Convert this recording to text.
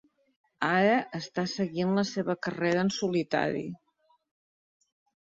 Ara està seguint la seva carrera en solitari.